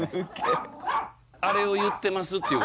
「あれを言ってますっていう事ね」